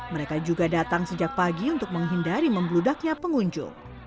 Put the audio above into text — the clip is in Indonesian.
mereka juga datang sejak pagi untuk menghindari membludaknya pengunjung